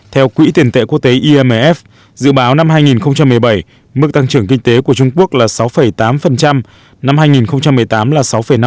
theo quỹ tiền tệ quốc tế imf dự báo năm hai nghìn một mươi bảy mức tăng trưởng kinh tế của trung quốc là sáu tám năm hai nghìn một mươi tám là sáu năm